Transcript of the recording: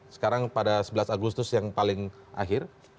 sekarang pada sebelas agustus yang paling akhir